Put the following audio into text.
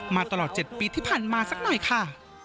มาตลอด๗ปีที่ผ่านมาสักหน่อยค่ะ